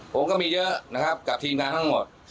ผมก็มีเยอะกับทีมงานทั้งหมด